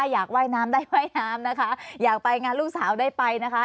อยากว่ายน้ำได้ว่ายน้ำนะคะอยากไปงานลูกสาวได้ไปนะคะ